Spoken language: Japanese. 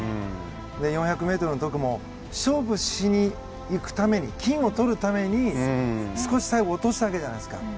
４００ｍの時も勝負しにいくために金をとるために少し、最後落としたわけじゃないですか。